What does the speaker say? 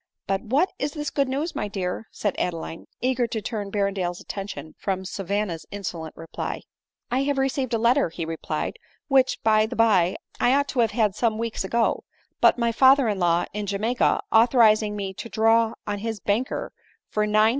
" But what is this good news, my dear? " said Ade line, eager to turn Berrendale's attention from Savanna's insolent reply. " I have received a letter," he replied, " which, by the by, I ought to have had some weeks ago, from my father in law in Jamaica, authorizing me to draw on his banker for 900Z.